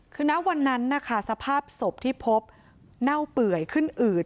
คือณวันนั้นนะคะสภาพศพที่พบเน่าเปื่อยขึ้นอืด